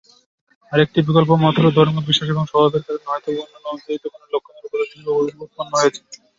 আরেকটি বিকল্প মত হলোঃ ধর্মীয় বিশ্বাস এবং স্বভাবের কারণ হয়তোবা অন্যান্য অভিযোজিত কোনো লক্ষণের উপজাত হিসেবে উৎপন্ন হয়েছে।